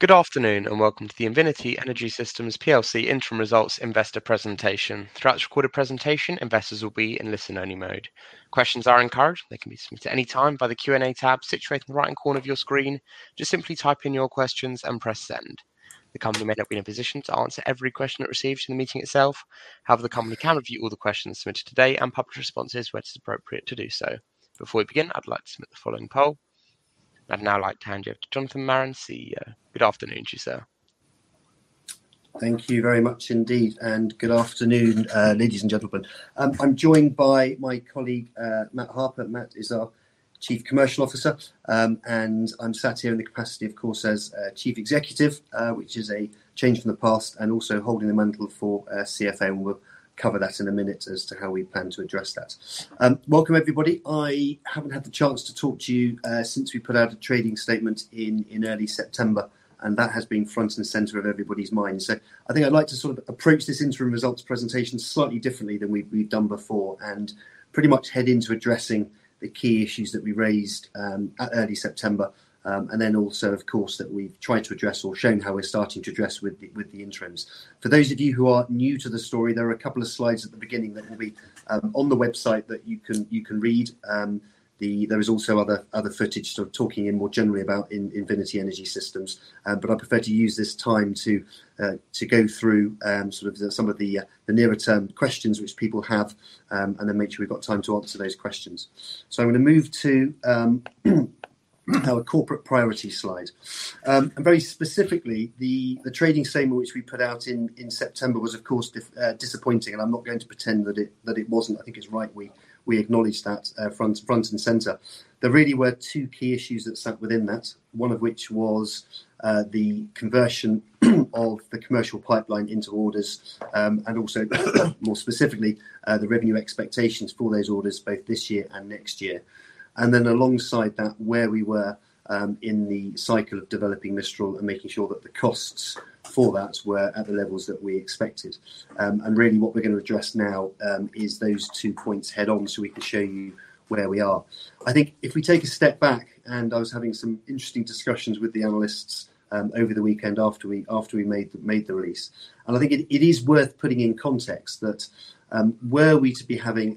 Good afternoon, welcome to the Invinity Energy Systems PLC interim results investor presentation. Throughout this recorded presentation, investors will be in listen only mode. Questions are encouraged. They can be submitted any time by the Q&A tab situated in the right-hand corner of your screen. Just simply type in your questions and press send. The company may not be in a position to answer every question it receives from the meeting itself. The company can review all the questions submitted today and publish responses where it is appropriate to do so. Before we begin, I'd like to submit the following poll. I'd now like to hand you over to Jonathan Marren, CEO. Good afternoon to you, sir. Thank you very much indeed, good afternoon, ladies and gentlemen. I'm joined by my colleague, Matt Harper. Matt is our Chief Commercial Officer. I'm sat here in the capacity, of course, as Chief Executive, which is a change from the past, also holding the mantle for CFO, and we'll cover that in a minute as to how we plan to address that. Welcome, everybody. I haven't had the chance to talk to you since we put out a trading statement in early September, that has been front and center of everybody's mind. I think I'd like to approach this interim results presentation slightly differently than we've done before, pretty much head into addressing the key issues that we raised at early September. Then also, of course, that we've tried to address or shown how we're starting to address with the interims. For those of you who are new to the story, there are a couple of slides at the beginning that will be on the website that you can read. There is also other footage talking more generally about Invinity Energy Systems. I'd prefer to use this time to go through some of the nearer term questions which people have, then make sure we've got time to answer those questions. I'm going to move to our corporate priorities slide. Very specifically, the trading statement which we put out in September was, of course, disappointing, I'm not going to pretend that it wasn't. I think it's right we acknowledge that front and center. There really were two key issues that sat within that, one of which was the conversion of the commercial pipeline into orders, also more specifically, the revenue expectations for those orders both this year and next year. Then alongside that, where we were in the cycle of developing Mistral and making sure that the costs for that were at the levels that we expected. Really what we're going to address now is those two points head on so we can show you where we are. I think if we take a step back, I was having some interesting discussions with the analysts over the weekend after we made the release, I think it is worth putting in context that were we to be having,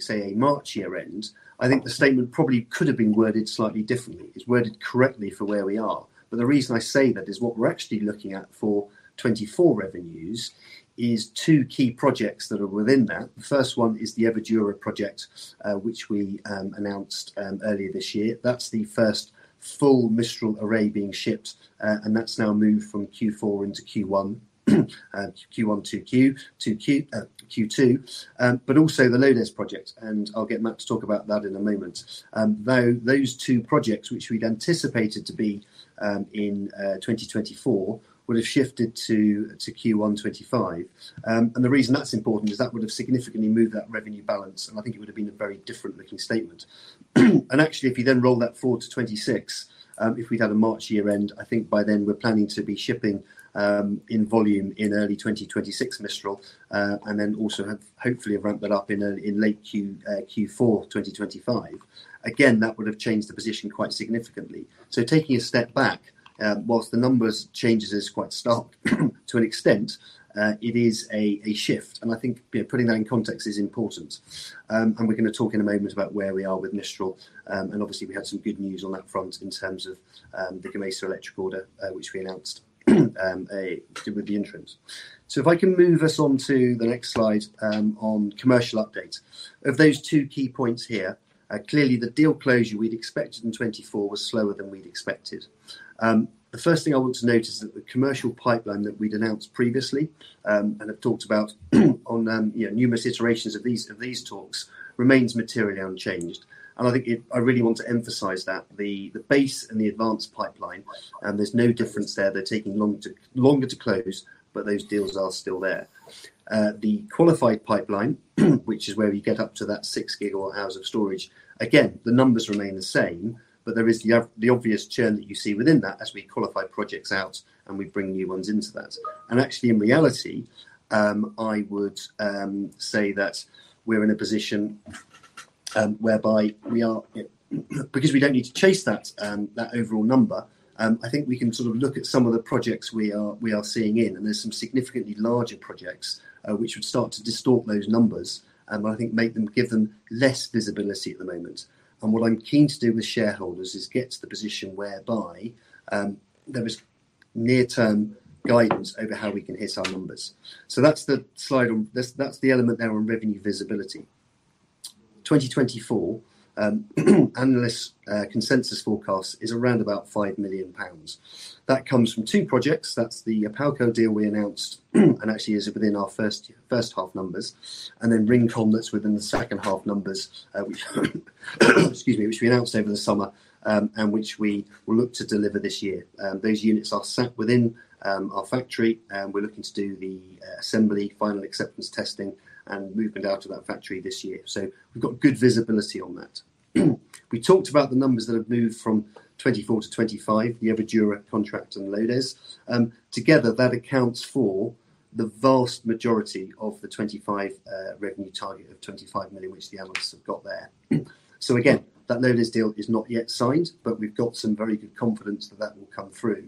say, a March year end, I think the statement probably could have been worded slightly differently. It's worded correctly for where we are. The reason I say that is what we're actually looking at for 2024 revenues is two key projects that are within that. The first one is the Everdura project, which we announced earlier this year. That's the first full Mistral array being shipped, and that's now moved from Q4 into Q1 to Q2. Also the LODES project, and I'll get Matt to talk about that in a moment. Those two projects, which we'd anticipated to be in 2024, would've shifted to Q1 2025. The reason that's important is that would've significantly moved that revenue balance, and I think it would've been a very different looking statement. Actually, if you roll that forward to 2026, if we had a March year end, I think by then we're planning to be shipping in volume in early 2026 Mistral, also hopefully have ramped that up in late Q4 2025. That would've changed the position quite significantly. Taking a step back, whilst the numbers change is quite stark to an extent, it is a shift, and I think putting that in context is important. We're going to talk in a moment about where we are with Mistral. Obviously, we had some good news on that front in terms of the Gamesa Electric order, which we announced with the interims. If I can move us onto the next slide on commercial update. Of those two key points here, clearly the deal closure we'd expected in 2024 was slower than we'd expected. The first thing I want to note is that the commercial pipeline that we'd announced previously, and have talked about on numerous iterations of these talks, remains materially unchanged. I really want to emphasize that the base and the advanced pipeline, there's no difference there. They're taking longer to close, but those deals are still there. The qualified pipeline which is where you get up to that six gigawatt hours of storage, the numbers remain the same, but there is the obvious churn that you see within that as we qualify projects out and we bring new ones into that. Actually, in reality, I would say that we're in a position whereby we are because we don't need to chase that overall number, I think we can look at some of the projects we are seeing in, and there's some significantly larger projects which would start to distort those numbers and I think give them less visibility at the moment. What I'm keen to do with shareholders is get to the position whereby there is near-term guidance over how we can hit our numbers. That's the element there on revenue visibility. 2024 analyst consensus forecast is around about 5 million pounds. That comes from two projects. That's the OPALCO deal we announced and actually is within our first half numbers, Rincon that's within the second half numbers, excuse me, which we announced over the summer, and which we will look to deliver this year. Those units are sat within our factory. We're looking to do the assembly, factory acceptance testing, and movement out of that factory this year. We've got good visibility on that. We talked about the numbers that have moved from 2024 to 2025, the Everdura contract and LODES. Together, that accounts for the vast majority of the 2025 revenue target of 25 million, which the analysts have got there. Again, that LODES deal is not yet signed, but we've got some very good confidence that that will come through.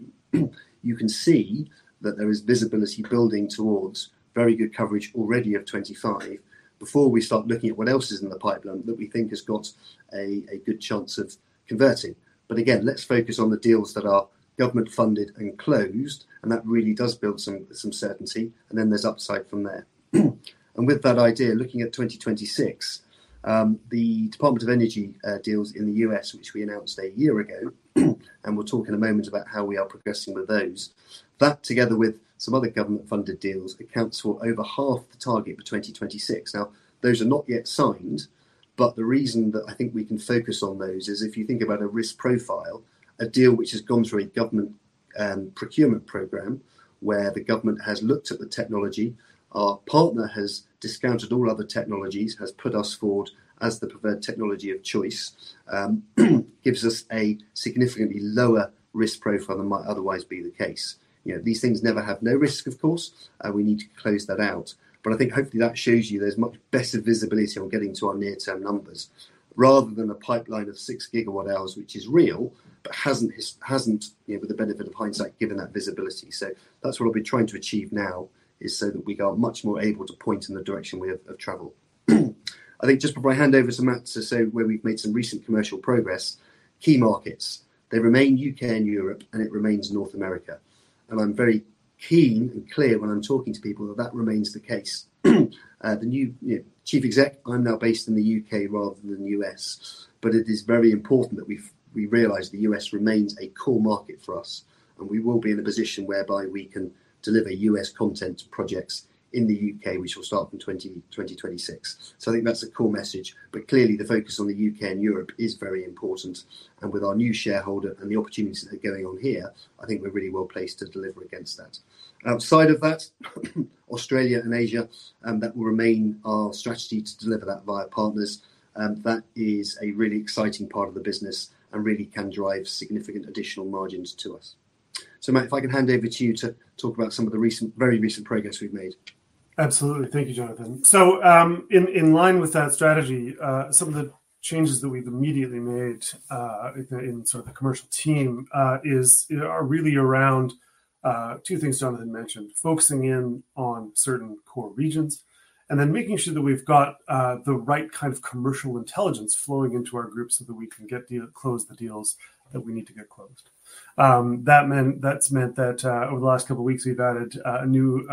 You can see that there is visibility building towards very good coverage already of 2025 before we start looking at what else is in the pipeline that we think has got a good chance of converting. Again, let's focus on the deals that are government-funded and closed, and that really does build some certainty, and then there's upside from there. With that idea, looking at 2026, the Department of Energy deals in the U.S., which we announced a year ago, and we'll talk in a moment about how we are progressing with those. That, together with some other government-funded deals, accounts for over half the target for 2026. Those are not yet signed, but the reason that I think we can focus on those is if you think about a risk profile, a deal which has gone through a government procurement program where the government has looked at the technology, our partner has discounted all other technologies, has put us forward as the preferred technology of choice, gives us a significantly lower risk profile than might otherwise be the case. These things never have no risk, of course, we need to close that out. But I think hopefully that shows you there's much better visibility on getting to our near-term numbers rather than a pipeline of six gigawatt hours, which is real, but hasn't, with the benefit of hindsight, given that visibility. That's what I'll be trying to achieve now, is so that we are much more able to point in the direction we have traveled. Just before I hand over to Matt to say where we've made some recent commercial progress, key markets, they remain U.K. and Europe, and it remains North America. And I'm very keen and clear when I'm talking to people that that remains the case. The new Chief Executive, I'm now based in the U.K. rather than the U.S., but it is very important that we realize the U.S. remains a core market for us, and we will be in a position whereby we can deliver U.S. content projects in the U.K., which will start from 2026. I think that's a core message. Clearly the focus on the U.K. and Europe is very important, and with our new shareholder and the opportunities that are going on here, I think we're really well-placed to deliver against that. Outside of that, Australia and Asia, that will remain our strategy to deliver that via partners. That is a really exciting part of the business and really can drive significant additional margins to us. Matt, if I can hand over to you to talk about some of the very recent progress we've made. Absolutely. Thank you, Jonathan. In line with that strategy, some of the changes that we've immediately made in the commercial team are really around two things Jonathan mentioned, focusing in on certain core regions, and then making sure that we've got the right kind of commercial intelligence flowing into our group so that we can close the deals that we need to get closed. That's meant that over the last couple of weeks, we've added a new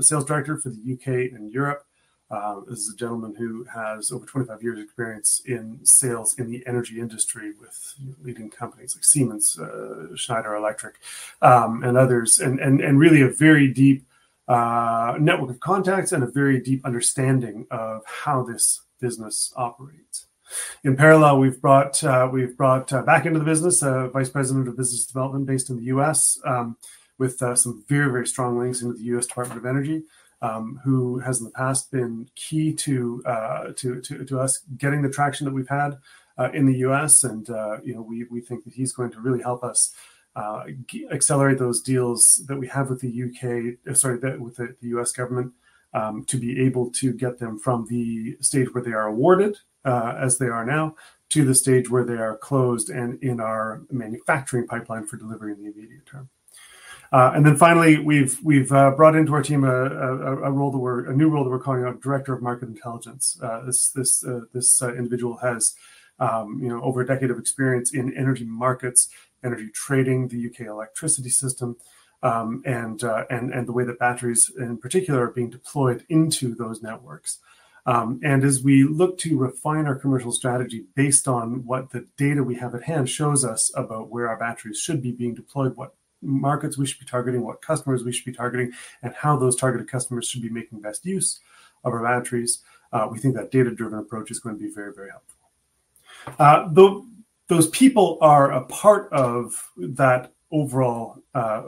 sales director for the U.K. and Europe. This is a gentleman who has over 25 years experience in sales in the energy industry with leading companies like Siemens, Schneider Electric, and others, and really a very deep network of contacts and a very deep understanding of how this business operates. In parallel, we've brought back into the business a vice president of business development based in the U.S., with some very strong links in with the U.S. Department of Energy, who has in the past been key to us getting the traction that we've had in the U.S. We think that he's going to really help us accelerate those deals that we have with the U.S. government to be able to get them from the stage where they are awarded, as they are now, to the stage where they are closed and in our manufacturing pipeline for delivery in the immediate term. Finally, we've brought into our team a new role that we're calling a director of market intelligence. This individual has over a decade of experience in energy markets, energy trading, the U.K. electricity system, and the way that batteries in particular are being deployed into those networks. As we look to refine our commercial strategy based on what the data we have at hand shows us about where our batteries should be being deployed, what markets we should be targeting, what customers we should be targeting, and how those targeted customers should be making best use of our batteries, we think that data-driven approach is going to be very helpful. Those people are a part of that overall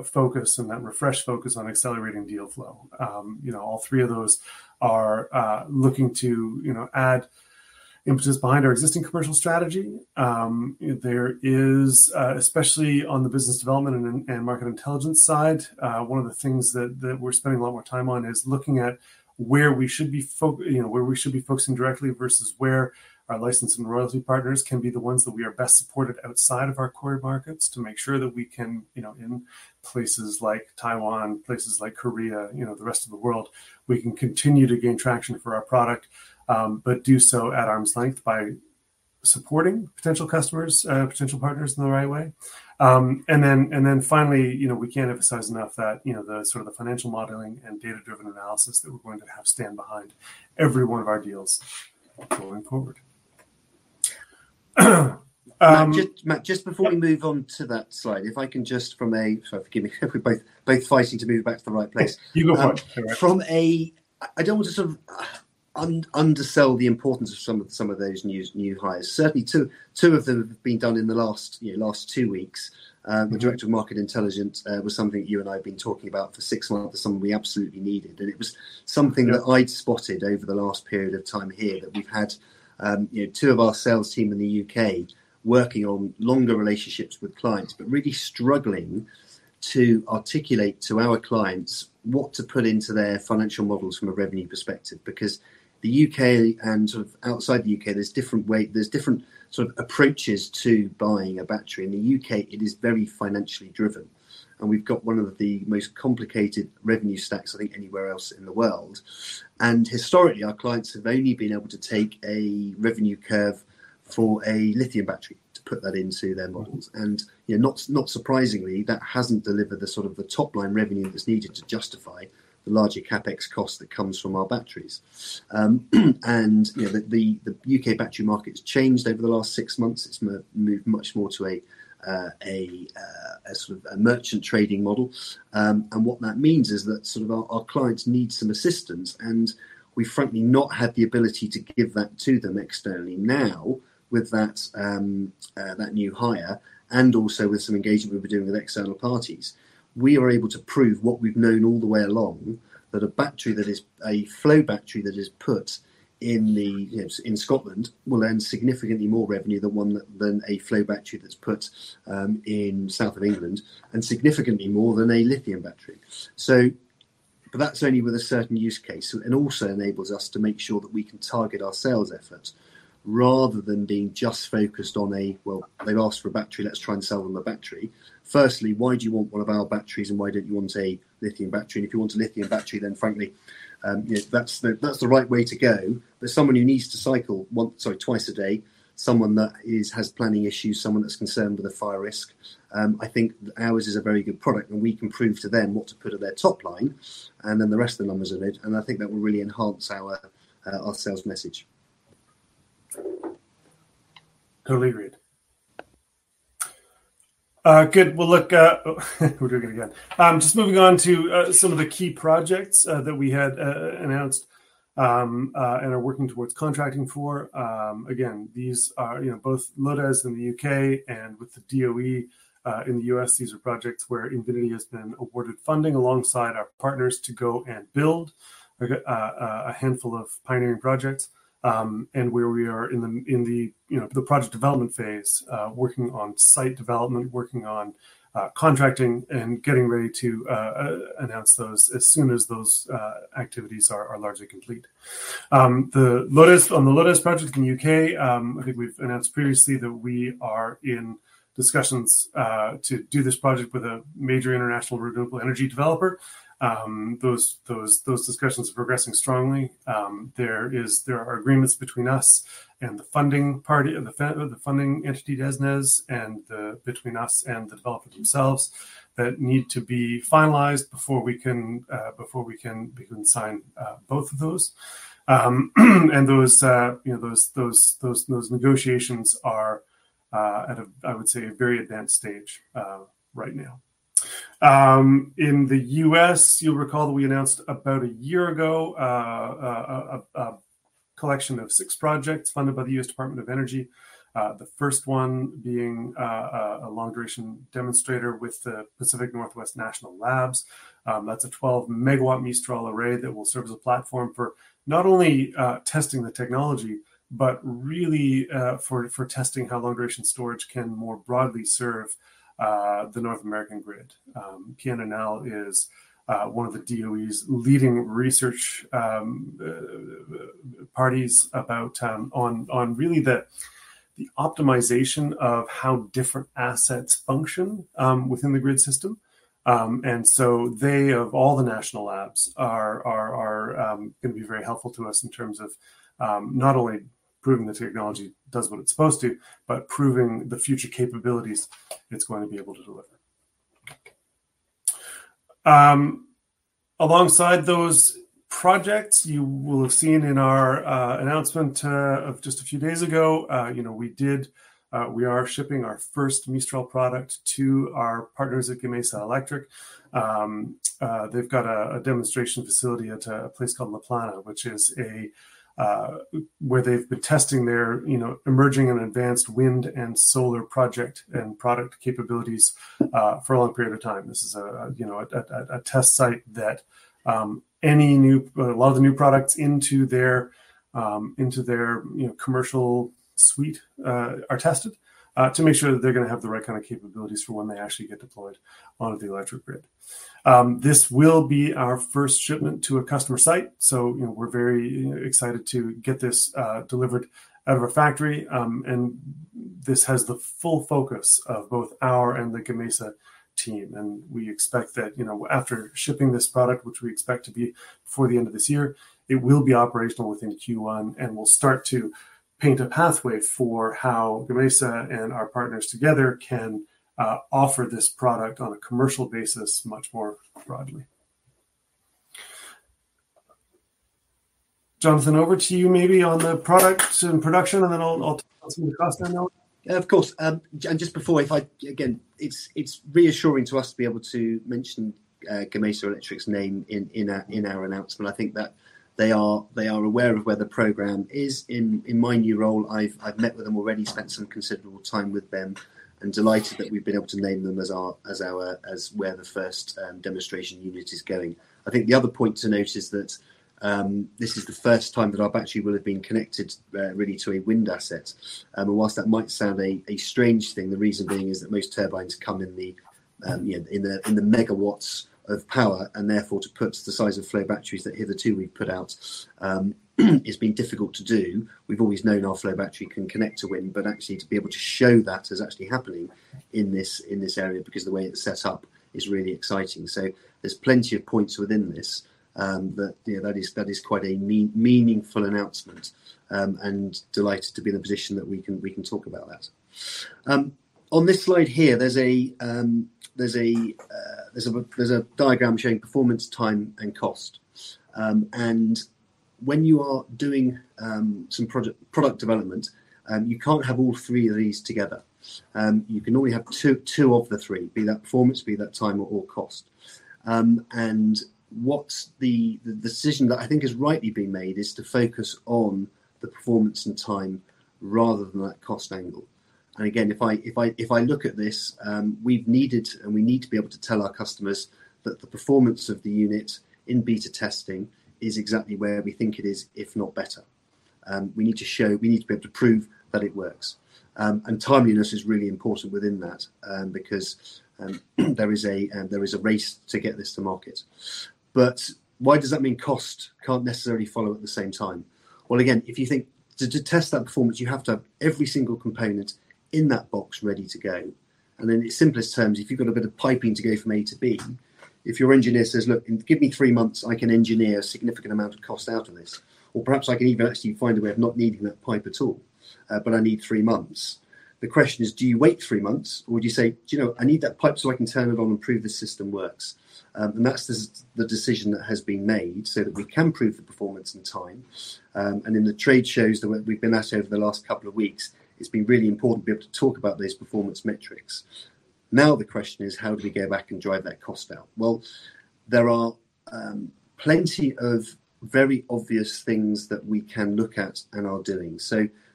focus and that refreshed focus on accelerating deal flow. All three of those are looking to add impetus behind our existing commercial strategy. There is, especially on the business development and market intelligence side, one of the things that we're spending a lot more time on is looking at where we should be focusing directly versus where our license and royalty partners can be the ones that we are best supported outside of our core markets to make sure that we can, in places like Taiwan, places like Korea, the rest of the world, we can continue to gain traction for our product, but do so at arm's length by supporting potential customers, potential partners in the right way. Finally, we can't emphasize enough that the financial modeling and data-driven analysis that we're going to have stand behind every one of our deals going forward. Matt, just before we move on to that slide, if I can just from a Sorry. Forgive me. We're both fighting to move back to the right place. You go first. I don't want to sort of undersell the importance of some of those new hires. Certainly two of them have been done in the last two weeks. The director of market intelligence was something you and I have been talking about for six months, someone we absolutely needed. It was something that I'd spotted over the last period of time here that we've had two of our sales team in the U.K. working on longer relationships with clients, but really struggling to articulate to our clients what to put into their financial models from a revenue perspective. Because the U.K. and outside the U.K., there's different sort of approaches to buying a battery. In the U.K., it is very financially driven, and we've got one of the most complicated revenue stacks, I think, anywhere else in the world. Historically, our clients have only been able to take a revenue curve for a lithium battery to put that into their models. Not surprisingly, that hasn't delivered the sort of the top-line revenue that's needed to justify the larger CapEx cost that comes from our batteries. The U.K. battery market's changed over the last six months. It's moved much more to a sort of a merchant trading model. What that means is that sort of our clients need some assistance, and we've frankly not had the ability to give that to them externally. With that new hire, and also with some engagement we've been doing with external parties, we are able to prove what we've known all the way along, that a flow battery that is put in Scotland will earn significantly more revenue than a flow battery that's put in south of England, and significantly more than a lithium battery. That's only with a certain use case. It also enables us to make sure that we can target our sales efforts rather than being just focused on a, "Well, they've asked for a battery, let's try and sell them a battery." Firstly, why do you want one of our batteries and why don't you want a lithium battery? If you want a lithium battery, then frankly, that's the right way to go. Someone who needs to cycle twice a day, someone that has planning issues, someone that's concerned with a fire risk, I think ours is a very good product and we can prove to them what to put at their top line and then the rest of the numbers of it. I think that will really enhance our sales message. Totally agree. Good. Look we're doing it again. Moving on to some of the key projects that we had announced, and are working towards contracting for. These are both LODES in the U.K. and with the DOE, in the U.S. These are projects where Invinity has been awarded funding alongside our partners to go and build a handful of pioneering projects. Where we are in the project development phase, working on site development, working on contracting, and getting ready to announce those as soon as those activities are largely complete. On the LODES project in the U.K., I think we've announced previously that we are in discussions to do this project with a major international renewable energy developer. Those discussions are progressing strongly. There are agreements between us and the funding party, the funding entity, DESNZ, and between us and the developers themselves that need to be finalized before we can sign both of those. Those negotiations are at a, I would say, a very advanced stage right now. In the U.S., you'll recall that we announced about a year ago, a collection of six projects funded by the U.S. Department of Energy. The first one being a long duration demonstrator with the Pacific Northwest National Laboratory. That's a 12 MW Mistral array that will serve as a platform for not only testing the technology, but really for testing how long duration storage can more broadly serve the North American grid. PNNL is one of the DOE's leading research parties on really the optimization of how different assets function within the grid system. They, of all the national labs, are going to be very helpful to us in terms of not only proving the technology does what it's supposed to, but proving the future capabilities it's going to be able to deliver. Alongside those projects, you will have seen in our announcement of just a few days ago, we are shipping our first Mistral product to our partners at Gamesa Electric. They've got a demonstration facility at a place called La Plana, where they've been testing their emerging and advanced wind and solar project and product capabilities for a long period of time. This is a test site that a lot of the new products into their commercial suite are tested to make sure that they're going to have the right kind of capabilities for when they actually get deployed onto the electric grid. This will be our first shipment to a customer site, so we're very excited to get this delivered out of our factory. This has the full focus of both our and the Gamesa team. We expect that after shipping this product, which we expect to be before the end of this year, it will be operational within Q1, and we'll start to paint a pathway for how Gamesa and our partners together can offer this product on a commercial basis much more broadly. Jonathan, over to you maybe on the products and production, and then I'll talk to you about some of the cost analysis. Of course. Just before, again, it's reassuring to us to be able to mention Gamesa Electric's name in our announcement. I think that they are aware of where the program is. In my new role, I've met with them already, spent some considerable time with them, and delighted that we've been able to name them as where the first demonstration unit is going. I think the other point to note is that this is the first time that our battery will have been connected really to a wind asset. Whilst that might sound a strange thing, the reason being is that most turbines come in the megawatts of power, and therefore to put the size of flow batteries that hitherto we've put out, has been difficult to do. We've always known our flow battery can connect to wind, actually to be able to show that as actually happening in this area because of the way it's set up is really exciting. There's plenty of points within this that is quite a meaningful announcement, delighted to be in the position that we can talk about that. On this slide here, there's a diagram showing performance, time, and cost. When you are doing some product development, you can't have all three of these together. You can only have two of the three, be that performance, be that time, or cost. The decision that I think has rightly been made is to focus on the performance and time rather than that cost angle. If I look at this, we need to be able to tell our customers that the performance of the unit in beta testing is exactly where we think it is, if not better. We need to be able to prove that it works. Timeliness is really important within that, because there is a race to get this to market. Why does that mean cost can't necessarily follow at the same time? Again, if you think, to test that performance, you have to have every single component in that box ready to go. In simplest terms, if you've got a bit of piping to go from A to B, if your engineer says, "Look, give me three months, I can engineer a significant amount of cost out of this." Perhaps, "I can even actually find a way of not needing that pipe at all. I need three months." The question is, do you wait three months or do you say, "Do you know what? I need that pipe so I can turn it on and prove the system works." That's the decision that has been made so that we can prove the performance and time. In the trade shows that we've been at over the last couple of weeks, it's been really important to be able to talk about those performance metrics. The question is, how do we go back and drive that cost out? There are plenty of very obvious things that we can look at and are doing.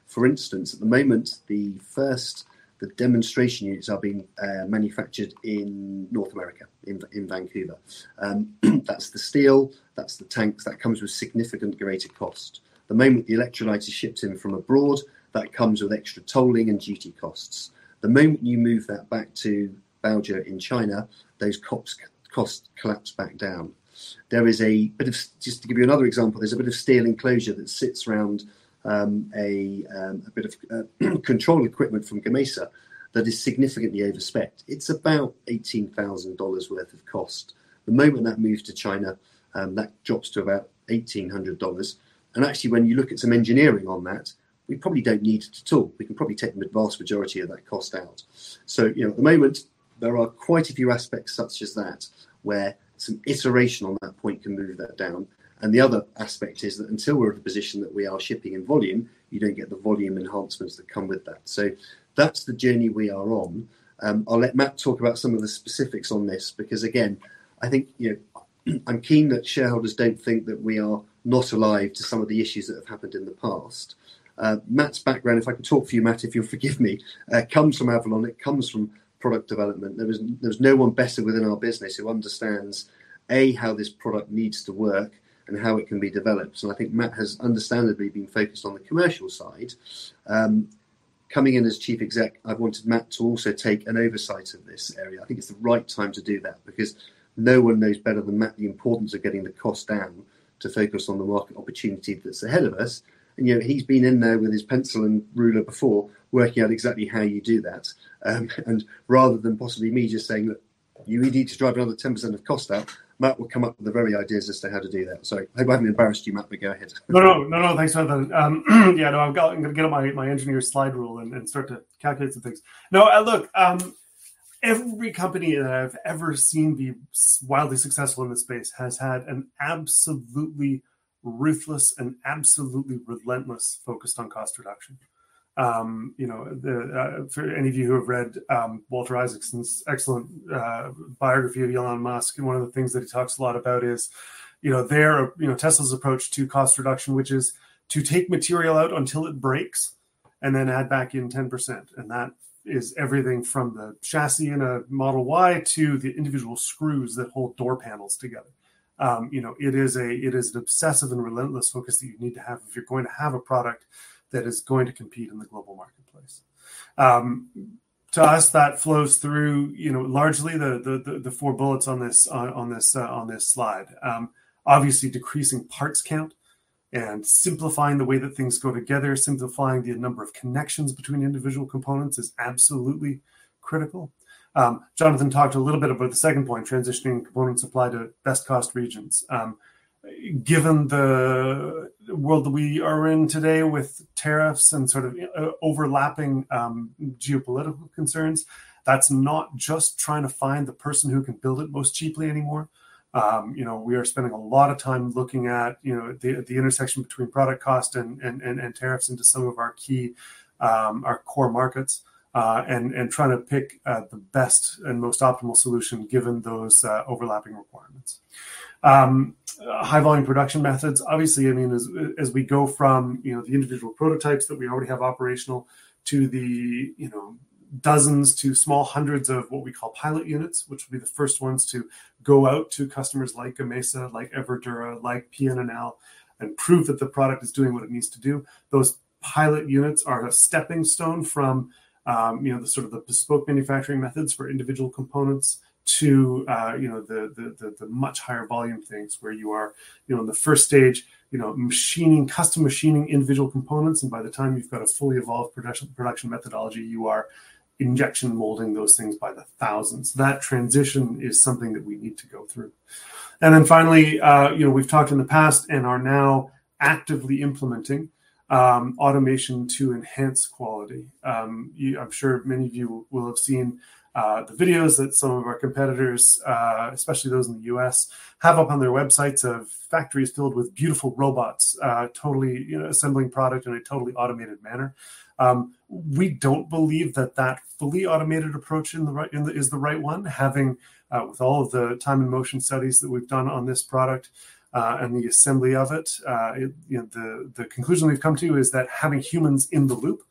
For instance, at the moment, the demonstration units are being manufactured in North America, in Vancouver. That's the steel, that's the tanks. That comes with significant greater cost. The moment the electrolyte is shipped in from abroad, that comes with extra tolling and duty costs. The moment you move that back to Baoji in China, those costs collapse back down. Just to give you another example, there's a bit of steel enclosure that sits around a bit of control equipment from Gamesa that is significantly overspec'd. It's about $18,000 worth of cost. The moment that moves to China, that drops to about $1,800. Actually, when you look at some engineering on that, we probably don't need it at all. We can probably take the vast majority of that cost out. At the moment, there are quite a few aspects such as that where some iteration on that point can move that down. The other aspect is that until we're at a position that we are shipping in volume, you don't get the volume enhancements that come with that. That's the journey we are on. I'll let Matt talk about some of the specifics on this because, again, I think I'm keen that shareholders don't think that we are not alive to some of the issues that have happened in the past. Matt's background, if I can talk for you, Matt, if you'll forgive me, comes from Avalon. It comes from product development. There's no one better within our business who understands, A, how this product needs to work and how it can be developed. I think Matt has understandably been focused on the commercial side. Coming in as Chief Exec, I've wanted Matt to also take an oversight of this area. I think it's the right time to do that because no one knows better than Matt the importance of getting the cost down to focus on the market opportunity that's ahead of us. He's been in there with his pencil and ruler before, working out exactly how you do that. Rather than possibly me just saying, "Look, you really need to drive another 10% of cost out," Matt will come up with the very ideas as to how to do that. I hope I haven't embarrassed you, Matt, but go ahead. Thanks, Jonathan. I'm going to get on my engineer slide rule and start to calculate some things. Look, every company that I've ever seen be wildly successful in this space has had an absolutely ruthless and absolutely relentless focus on cost reduction. For any of you who have read Walter Isaacson's excellent biography of Elon Musk, one of the things that he talks a lot about is their, Tesla's approach to cost reduction, which is to take material out until it breaks and then add back in 10%. That is everything from the chassis in a Model Y to the individual screws that hold door panels together. It is an obsessive and relentless focus that you need to have if you're going to have a product that is going to compete in the global marketplace. To us, that flows through largely the four bullets on this slide. Obviously, decreasing parts count and simplifying the way that things go together, simplifying the number of connections between individual components is absolutely critical. Jonathan talked a little bit about the second point, transitioning component supply to best-cost regions. Given the world that we are in today with tariffs and sort of overlapping geopolitical concerns, that's not just trying to find the person who can build it most cheaply anymore. We are spending a lot of time looking at the intersection between product cost and tariffs into some of our core markets, and trying to pick the best and most optimal solution given those overlapping requirements. High volume production methods. Obviously, as we go from the individual prototypes that we already have operational to the dozens to small hundreds of what we call pilot units, which will be the first ones to go out to customers like Gamesa Electric, like Everdura, like PNNL, and prove that the product is doing what it needs to do. Those pilot units are a stepping stone from the bespoke manufacturing methods for individual components to the much higher volume things where you are in the first stage, custom machining individual components, and by the time you've got a fully evolved production methodology, you are injection molding those things by the thousands. That transition is something that we need to go through. Finally, we've talked in the past and are now actively implementing automation to enhance quality. I'm sure many of you will have seen the videos that some of our competitors, especially those in the U.S., have up on their websites of factories filled with beautiful robots, assembling product in a totally automated manner. We don't believe that that fully automated approach is the right one. Having with all of the time and motion studies that we've done on this product, and the assembly of it, the conclusion we've come to is that having humans in the loop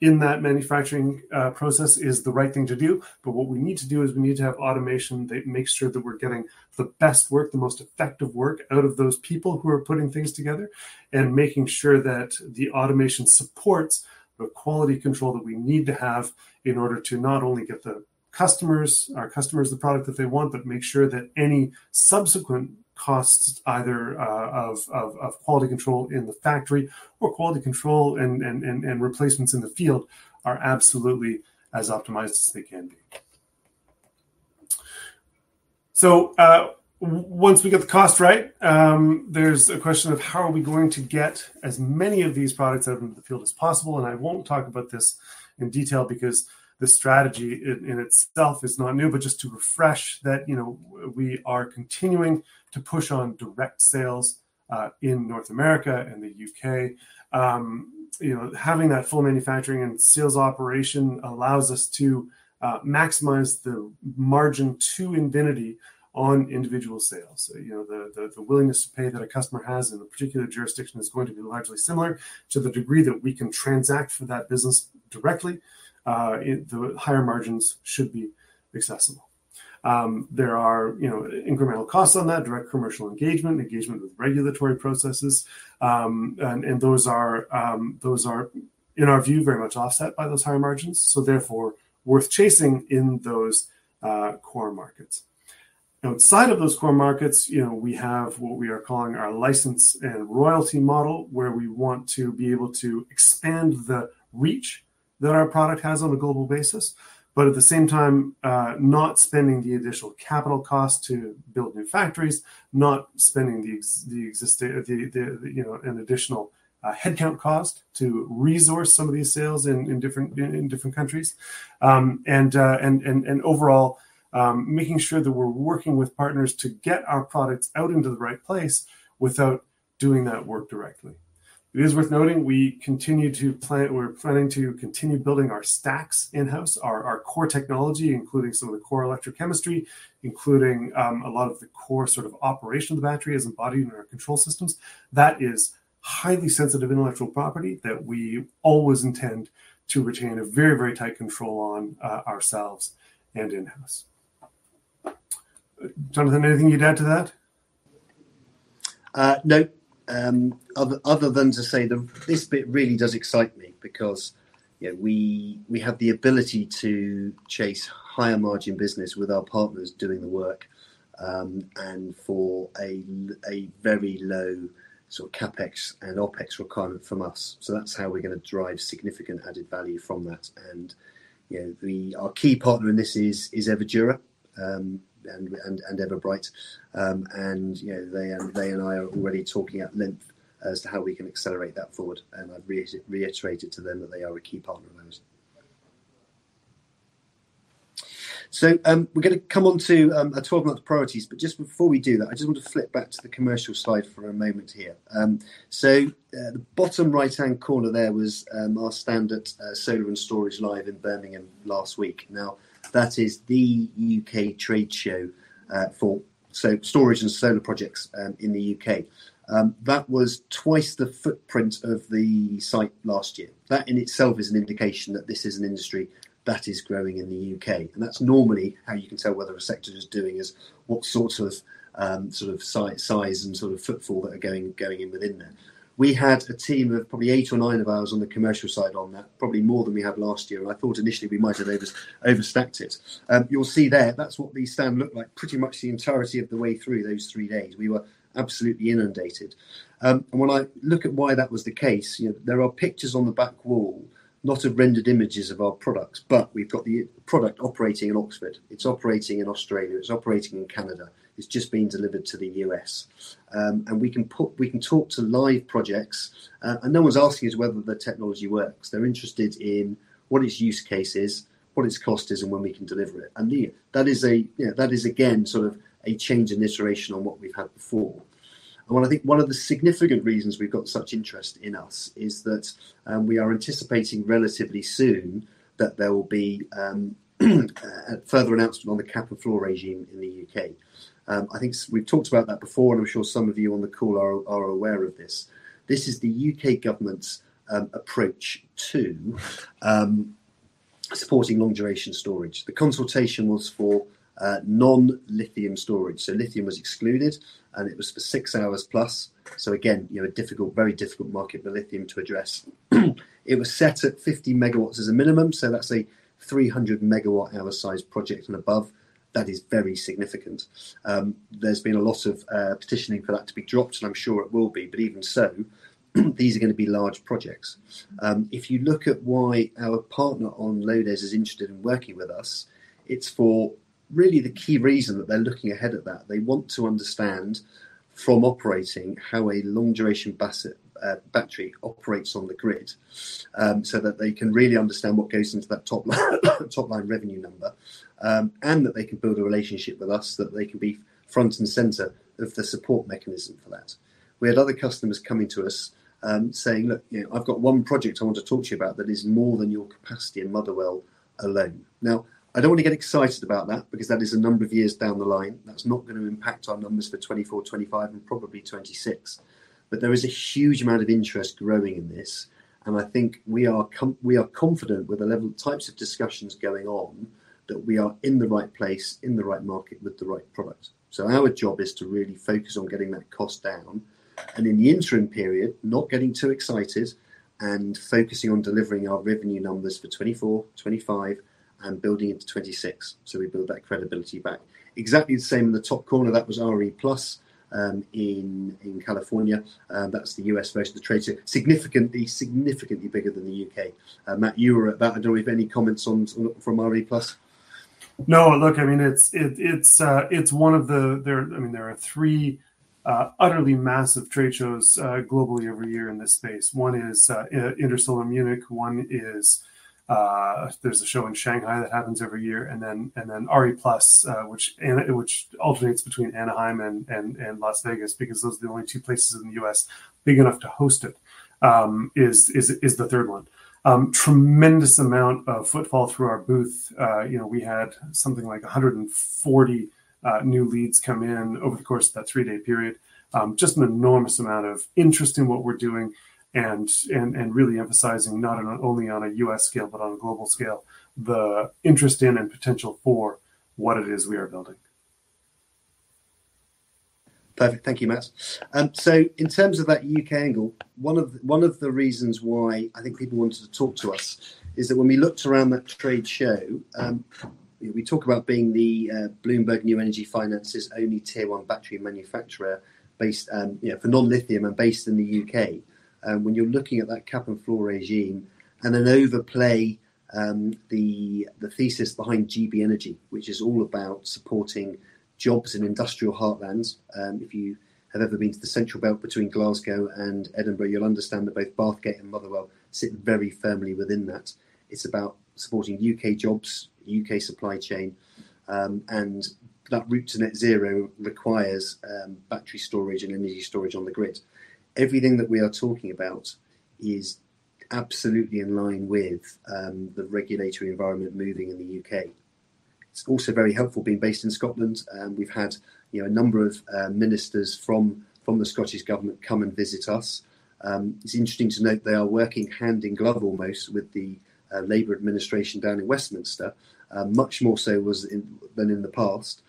in that manufacturing process is the right thing to do. What we need to do is we need to have automation that makes sure that we're getting the best work, the most effective work out of those people who are putting things together, and making sure that the automation supports the quality control that we need to have in order to not only get our customers the product that they want, but make sure that any subsequent costs, either of quality control in the factory or quality control and replacements in the field, are absolutely as optimized as they can be. Once we get the cost right, there's a question of how are we going to get as many of these products out into the field as possible. I won't talk about this in detail because the strategy in itself is not new. Just to refresh that we are continuing to push on direct sales, in North America and the U.K. Having that full manufacturing and sales operation allows us to maximize the margin to Invinity on individual sales. The willingness to pay that a customer has in a particular jurisdiction is going to be largely similar to the degree that we can transact for that business directly. The higher margins should be accessible. There are incremental costs on that, direct commercial engagement with regulatory processes. Those are, in our view, very much offset by those higher margins. Therefore worth chasing in those core markets. Outside of those core markets, we have what we are calling our license and royalty model, where we want to be able to expand the reach that our product has on a global basis. At the same time, not spending the additional capital cost to build new factories, not spending an additional headcount cost to resource some of these sales in different countries. Overall, making sure that we're working with partners to get our products out into the right place without doing that work directly. It is worth noting we're planning to continue building our stacks in-house, our core technology, including some of the core electrochemistry, including a lot of the core operation of the battery as embodied in our control systems. That is highly sensitive intellectual property that we always intend to retain a very tight control on ourselves and in-house. Jonathan, anything you'd add to that? No. Other than to say that this bit really does excite me because we have the ability to chase higher margin business with our partners doing the work, and for a very low CapEx and OpEx requirement from us. That's how we're going to drive significant added value from that. Our key partner in this is Everdura, and Everbrite. They and I are already talking at length as to how we can accelerate that forward, and I've reiterated to them that they are a key partner of ours. We're going to come on to our 12-month priorities, but just before we do that, I just want to flip back to the commercial slide for a moment here. The bottom right-hand corner there was our stand at Solar & Storage Live in Birmingham last week. That is the U.K. trade show for storage and solar projects, in the U.K. That was twice the footprint of the site last year. That in itself is an indication that this is an industry that is growing in the U.K., and that's normally how you can tell whether a sector is doing, is what sort of size and sort of footfall that are going in within there. We had a team of probably eight or nine of ours on the commercial side on that, probably more than we had last year. I thought initially we might have overstacked it. You'll see there, that's what the stand looked like pretty much the entirety of the way through those three days. We were absolutely inundated. When I look at why that was the case, there are pictures on the back wall, not of rendered images of our products, but we've got the product operating in Oxford. It's operating in Australia. It's operating in Canada. It's just been delivered to the U.S. We can talk to live projects, and no one's asking us whether the technology works. They're interested in what its use case is, what its cost is, and when we can deliver it. That is again, sort of a change in iteration on what we've had before. Well, I think one of the significant reasons we've got such interest in us is that we are anticipating relatively soon that there will be a further announcement on the cap and floor regime in the U.K. I think we've talked about that before, and I'm sure some of you on the call are aware of this. This is the U.K. government's approach to supporting long-duration storage. The consultation was for non-lithium storage, so lithium was excluded, and it was for six hours plus, so again, a very difficult market for lithium to address. It was set at 50 megawatts as a minimum, so that's a 300-megawatt hour sized project and above. That is very significant. There's been a lot of petitioning for that to be dropped, and I'm sure it will be, but even so, these are going to be large projects. If you look at why our partner on LODES is interested in working with us, it's for really the key reason that they're looking ahead at that. They want to understand from operating how a long-duration battery operates on the grid so that they can really understand what goes into that top line revenue number, and that they can build a relationship with us, that they can be front and center of the support mechanism for that. We had other customers coming to us, saying, "Look, I've got one project I want to talk to you about that is more than your capacity in Motherwell alone." I don't want to get excited about that, because that is a number of years down the line. That's not going to impact our numbers for 2024, 2025, and probably 2026. There is a huge amount of interest growing in this, and I think we are confident with the level of types of discussions going on that we are in the right place, in the right market, with the right product. Our job is to really focus on getting that cost down, and in the interim period, not getting too excited and focusing on delivering our revenue numbers for 2024, 2025, and building into 2026 so we build that credibility back. Exactly the same in the top corner. That was RE+ in California. That's the U.S. version of the trade show. Significantly bigger than the U.K. Matt, you were at that. I don't know if any comments from RE+. No, look, there are three utterly massive trade shows globally every year in this space. One is Intersolar Munich, one is There's a show in Shanghai that happens every year, and then RE+, which alternates between Anaheim and Las Vegas, because those are the only two places in the U.S. big enough to host it, is the third one. Tremendous amount of footfall through our booth. We had something like 140 new leads come in over the course of that three-day period. Just an enormous amount of interest in what we're doing and really emphasizing, not only on a U.S. scale, but on a global scale, the interest in and potential for what it is we are building. Perfect. Thank you, Matt. In terms of that U.K. angle, one of the reasons why I think people wanted to talk to us is that when we looked around that trade show, we talk about being the Bloomberg New Energy Finance's only tier 1 battery manufacturer for non-lithium and based in the U.K. When you're looking at that cap and floor regime and then overlay the thesis behind GB Energy, which is all about supporting jobs in industrial heartlands, if you have ever been to the central belt between Glasgow and Edinburgh, you'll understand that both Bathgate and Motherwell sit very firmly within that. It's about supporting U.K. jobs, U.K. supply chain, and that route to net zero requires battery storage and energy storage on the grid. Everything that we are talking about is absolutely in line with the regulatory environment moving in the U.K. It's also very helpful being based in Scotland. We've had a number of ministers from the Scottish Government come and visit us. It's interesting to note they are working hand in glove almost with the Labour administration down in Westminster. Much more so than in the past.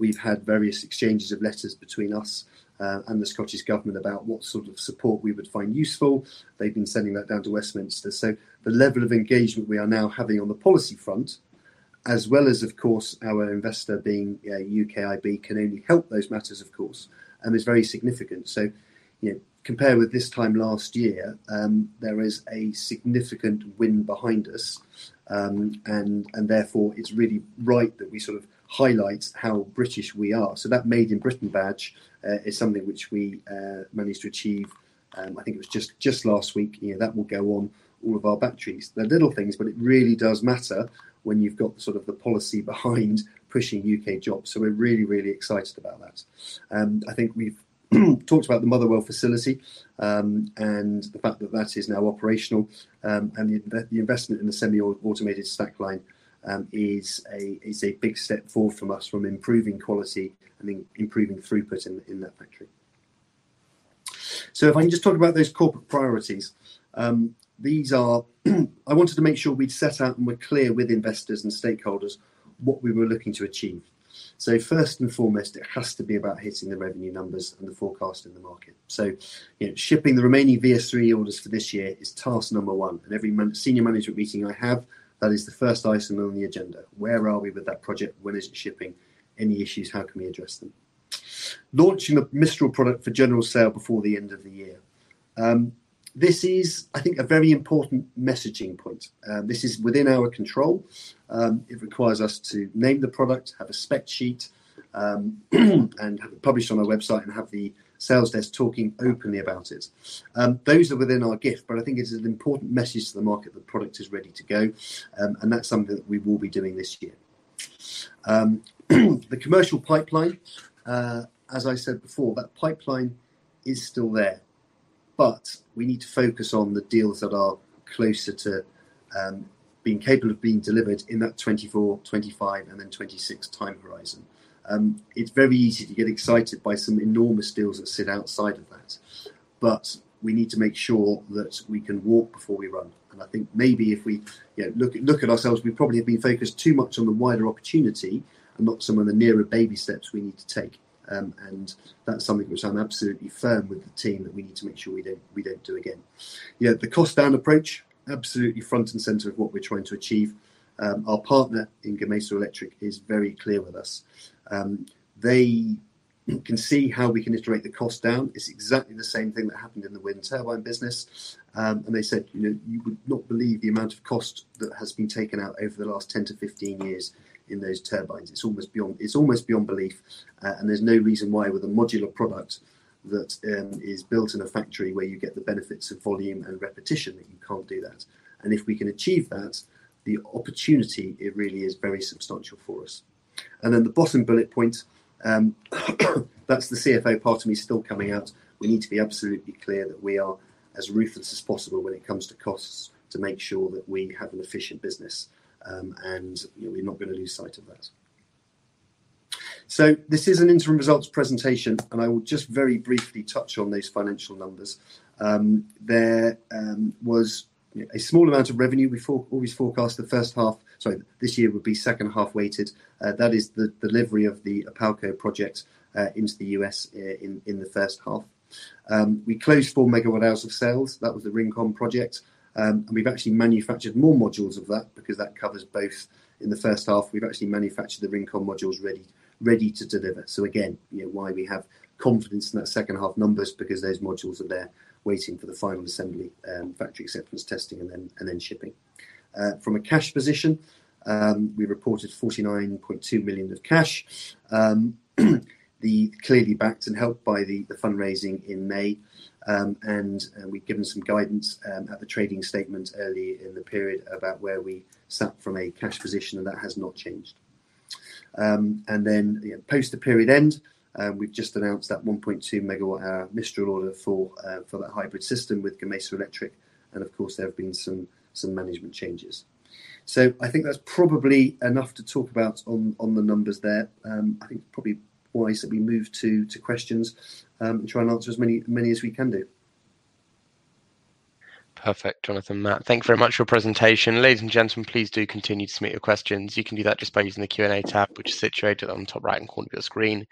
We've had various exchanges of letters between us and the Scottish Government about what sort of support we would find useful. They've been sending that down to Westminster. The level of engagement we are now having on the policy front, as well as, of course, our investor being UK IB can only help those matters, of course, and is very significant. Compared with this time last year, there is a significant wind behind us, and therefore it's really right that we sort of highlight how British we are. That Made in Britain badge is something which we managed to achieve, I think it was just last week. That will go on all of our batteries. They're little things, but it really does matter when you've got the policy behind pushing U.K. jobs. We're really excited about that. I think we've talked about the Motherwell facility, and the fact that that is now operational, and the investment in the semi-automated stack line is a big step forward from us from improving quality and improving throughput in that factory. If I can just talk about those corporate priorities. I wanted to make sure we'd set out and were clear with investors and stakeholders what we were looking to achieve. First and foremost, it has to be about hitting the revenue numbers and the forecast in the market. Shipping the remaining VS3 orders for this year is task number one, and every senior management meeting I have, that is the first item on the agenda. Where are we with that project? When is it shipping? Any issues, how can we address them? Launching the Mistral product for general sale before the end of the year. This is, I think, a very important messaging point. This is within our control. It requires us to name the product, have a spec sheet, and have it published on our website and have the sales desk talking openly about it. Those are within our gift, but I think it is an important message to the market that the product is ready to go, and that's something that we will be doing this year. The commercial pipeline, as I said before, that pipeline is still there, but we need to focus on the deals that are closer to being capable of being delivered in that 2024, 2025, and then 2026 time horizon. It's very easy to get excited by some enormous deals that sit outside of that, but we need to make sure that we can walk before we run. I think maybe if we look at ourselves, we probably have been focused too much on the wider opportunity and not some of the nearer baby steps we need to take. That's something which I'm absolutely firm with the team that we need to make sure we don't do again. The cost-down approach, absolutely front and center of what we're trying to achieve. Our partner in Gamesa Electric is very clear with us. They can see how we can iterate the cost down. It's exactly the same thing that happened in the wind turbine business. They said, "You would not believe the amount of cost that has been taken out over the last 10-15 years in those turbines." It's almost beyond belief, there's no reason why, with a modular product that is built in a factory where you get the benefits of volume and repetition, that you can't do that. If we can achieve that, the opportunity, it really is very substantial for us. The bottom bullet point, that's the CFO part of me still coming out. We need to be absolutely clear that we are as ruthless as possible when it comes to costs to make sure that we have an efficient business, we're not going to lose sight of that. This is an interim results presentation, I will just very briefly touch on those financial numbers. There was a small amount of revenue we always forecast this year would be second-half weighted. That is the delivery of the OPALCO project into the U.S. in the first half. We closed four megawatt hours of sales. That was the Rincon project. We've actually manufactured more modules of that because that covers both. In the first half, we've actually manufactured the Rincon modules ready to deliver. Again, why we have confidence in that second-half numbers, because those modules are there waiting for the final assembly, factory acceptance testing, and then shipping. From a cash position, we reported 49.2 million of cash. Clearly backed and helped by the fundraising in May. We'd given some guidance at the trading statement early in the period about where we sat from a cash position, that has not changed. Post the period end, we've just announced that 1.2 megawatt hour Mistral order for that hybrid system with Gamesa Electric. Of course, there have been some management changes. I think that's probably enough to talk about on the numbers there. I think probably wise that we move to questions, try and answer as many as we can do. Perfect. Jonathan, Matt, thank you very much for your presentation. Ladies and gentlemen, please do continue to submit your questions. You can do that just by using the Q&A tab, which is situated on the top right-hand corner of your screen.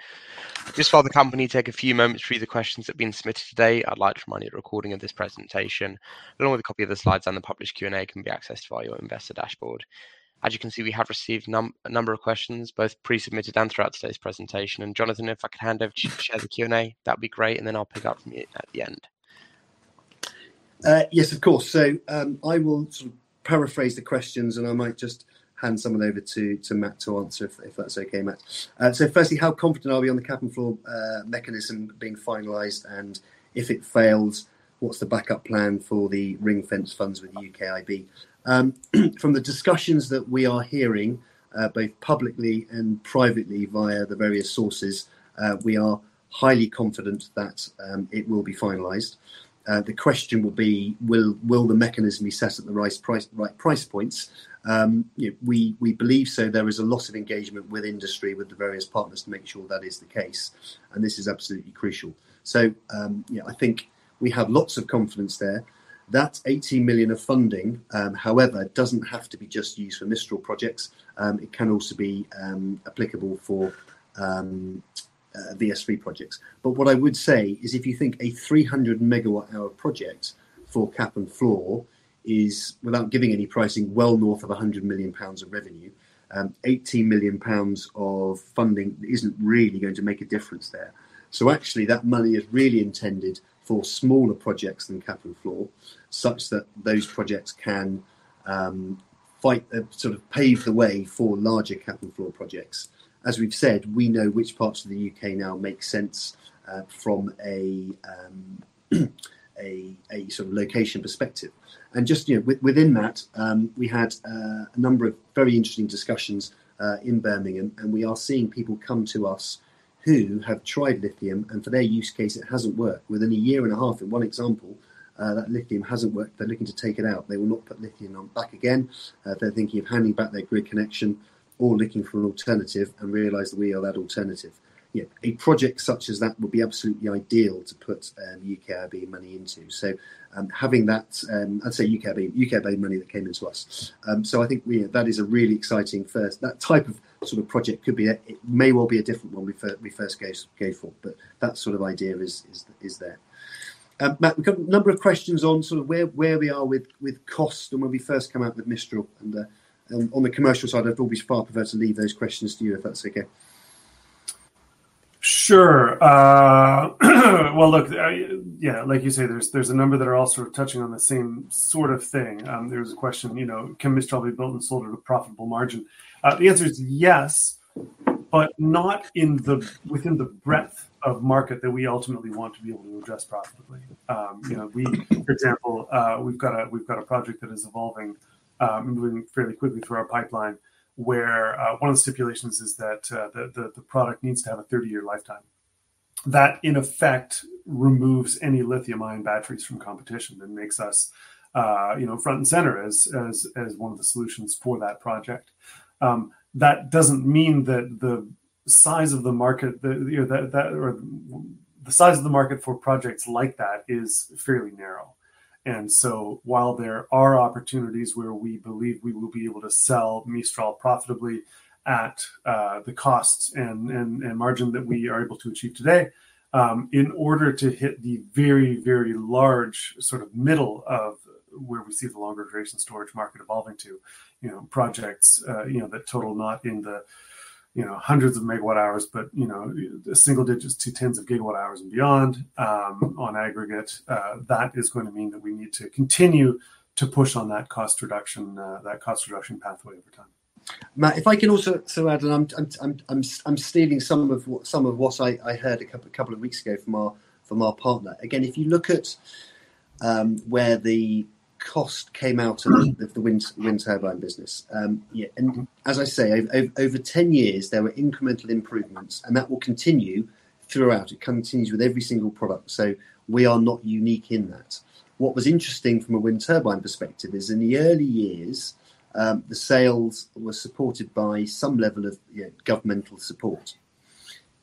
Just while the company take a few moments to read the questions that have been submitted today, I'd like to remind you of the recording of this presentation, along with a copy of the slides and the published Q&A can be accessed via your investor dashboard. As you can see, we have received a number of questions, both pre-submitted and throughout today's presentation. Jonathan, if I could hand over to you to share the Q&A, that would be great, I'll pick up from you at the end. Yes, of course. I will paraphrase the questions, and I might just hand some of them over to Matt to answer, if that's okay, Matt. Firstly, how confident are we on the cap-and-floor mechanism being finalized, and if it fails, what's the backup plan for the ring-fence funds with the UKIB? From the discussions that we are hearing, both publicly and privately via the various sources, we are highly confident that it will be finalized. The question will be, will the mechanism be set at the right price points? We believe so. There is a lot of engagement with industry, with the various partners to make sure that is the case. This is absolutely crucial. I think we have lots of confidence there. That 18 million of funding, however, doesn't have to be just used for Mistral projects. It can also be applicable for VS3 projects. What I would say is if you think a 300 MWh project for cap and floor is, without giving any pricing, well north of 100 million pounds of revenue, 18 million pounds of funding isn't really going to make a difference there. Actually, that money is really intended for smaller projects than cap and floor, such that those projects can sort of pave the way for larger cap and floor projects. As we've said, we know which parts of the U.K. now make sense from a sort of location perspective. Just within that, we had a number of very interesting discussions in Birmingham, we are seeing people come to us who have tried lithium, and for their use case, it hasn't worked. Within a year and a half in one example, that lithium hasn't worked. They're looking to take it out. They will not put lithium on back again. They're thinking of handing back their grid connection or looking for an alternative and realize that we are that alternative. A project such as that would be absolutely ideal to put UKIB money into. Having that, I'd say UKIB money that came into us. I think that is a really exciting first. That type of project, it may well be a different one we first gave for. That sort of idea is there. Matt, we've got a number of questions on sort of where we are with costs and when we first come out with Mistral and on the commercial side, I'd probably far prefer to leave those questions to you if that's okay. Sure. Well, look, yeah, like you say, there's a number that are all sort of touching on the same sort of thing. There was a question, can Mistral be built and sold at a profitable margin? The answer is yes, not within the breadth of market that we ultimately want to be able to address profitably. For example, we've got a project that is evolving and moving fairly quickly through our pipeline, where one of the stipulations is that the product needs to have a 30-year lifetime. That, in effect, removes any lithium-ion batteries from competition and makes us front and center as one of the solutions for that project. That doesn't mean that the size of the market for projects like that is fairly narrow. While there are opportunities where we believe we will be able to sell Mistral profitably at the costs and margin that we are able to achieve today, in order to hit the very, very large sort of middle of where we see the longer duration storage market evolving to, projects that total not in the hundreds of megawatt hours, but single digits to tens of gigawatt hours and beyond on aggregate. That is going to mean that we need to continue to push on that cost reduction pathway over time. Matt, if I can also add, I'm stealing some of what I heard a couple of weeks ago from our partner. If you look at where the cost came out of the wind turbine business, as I say, over 10 years, there were incremental improvements, and that will continue throughout. It continues with every single product. We are not unique in that. What was interesting from a wind turbine perspective is in the early years, the sales were supported by some level of governmental support.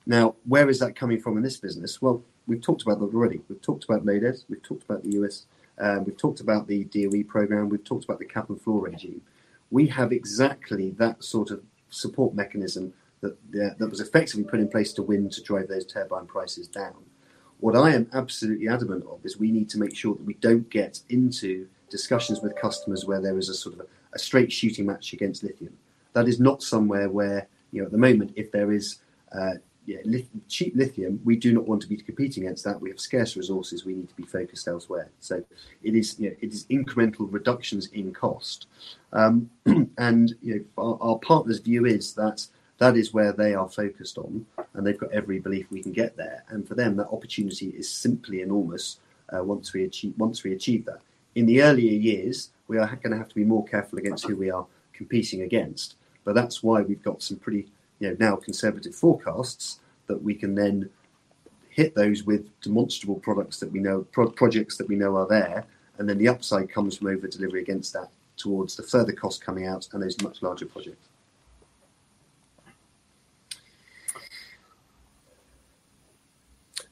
Now, where is that coming from in this business? Well, we've talked about that already. We've talked about LODES, we've talked about the U.S., we've talked about the DOE program, we've talked about the cap and floor regime. We have exactly that sort of support mechanism that was effectively put in place to wind to drive those turbine prices down. What I am absolutely adamant of is we need to make sure that we don't get into discussions with customers where there is a sort of a straight shooting match against lithium. That is not somewhere where, at the moment, if there is cheap lithium, we do not want to be competing against that. We have scarce resources, we need to be focused elsewhere. It is incremental reductions in cost. Our partner's view is that that is where they are focused on, and they've got every belief we can get there. For them, that opportunity is simply enormous once we achieve that. In the earlier years, we are going to have to be more careful against who we are competing against. That's why we've got some pretty now conservative forecasts that we can then hit those with demonstrable projects that we know are there, and then the upside comes from over-delivery against that towards the further cost coming out and those much larger projects.